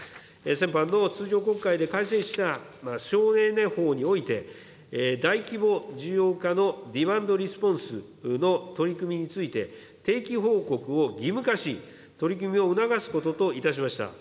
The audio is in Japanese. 先般の通常国会で改正した省エネ法において、大規模事業家のディマンドレスポンスの取り組みについて、定期報告を義務化し、取り組みを促すことといたしました。